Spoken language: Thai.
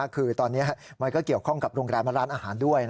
คือตอนนี้มันก็เกี่ยวข้องกับโรงแรมและร้านอาหารด้วย